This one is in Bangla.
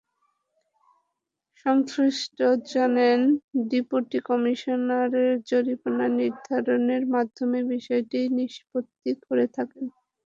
সংশ্লিষ্ট জোনের ডেপুটি কমিশনার জরিমানা নির্ধারণের মাধ্যমে বিষয়টির নিষ্পত্তি করে থাকেন।